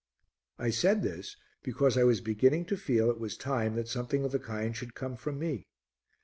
I said this because I was beginning to feel it was time that something of the kind should come from me.